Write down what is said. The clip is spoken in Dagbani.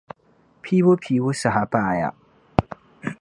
Piibu piibu saha paaya.